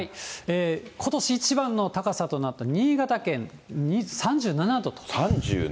ことし一番の高さとなった新潟県３７度。